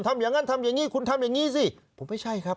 ทำอย่างนั้นทำอย่างนี้คุณทำอย่างนี้สิผมไม่ใช่ครับ